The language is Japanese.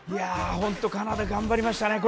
本当にカナダ頑張りましたね。